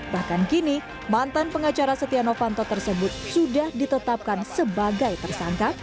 bahkan kini mantan pengacara setia novanto tersebut sudah ditetapkan sebagai tersangka